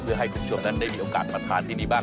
เพื่อให้คุณผู้ชมนั้นได้มีโอกาสมาทานที่นี่บ้าง